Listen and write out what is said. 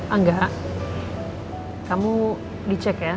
angga kamu dicek ya